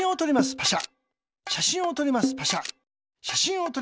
パシャ。